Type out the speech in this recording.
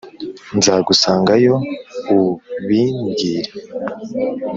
Nzagusanga yo ubimbwire.